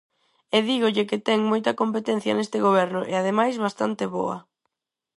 E dígolle que ten moita competencia neste goberno, e ademais bastante boa.